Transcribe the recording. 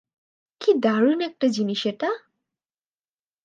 কি দারুন একটা জিনিস এটা?